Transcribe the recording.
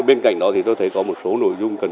bên cạnh đó thì tôi thấy có một số nội dung cần